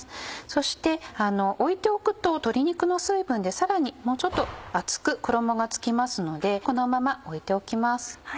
そして置いておくと鶏肉の水分でさらにもうちょっと厚く衣が付きますのでこのまま置いておきます。